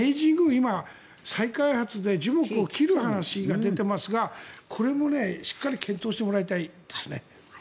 今、再開発で樹木を切る話が出ていますがこれもしっかり検討してもらいたいですね。